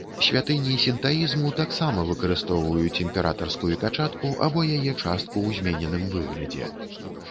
Святыні сінтаізму таксама выкарыстоўваюць імператарскую пячатку або яе частку ў змененым выглядзе.